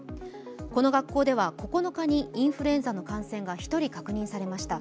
この学校では９日にインフルエンザの感染が１人確認されました。